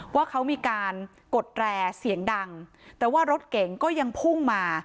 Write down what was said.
ว่าเขามีการกดแร่เสียงดังแต่ว่ารถเก๋งก็ยังพุ่งมา